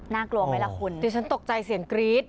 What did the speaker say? กลัวไหมล่ะคุณดิฉันตกใจเสียงกรี๊ด